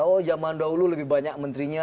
oh zaman dahulu lebih banyak menterinya